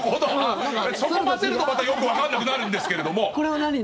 そこ交ぜると、またよくわかんなくなるんですけれども。